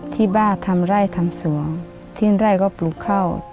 ที่บ้านทำไร่ทำสวงที่ไร่ก็ปลูกข้าว